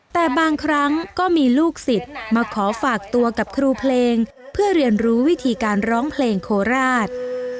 แต่บางครั้งก็มีลูกศิษย์มาขอฝากตัวกับครูเพลงเพื่อเรียนรู้วิธีการร้องเพลงโคราช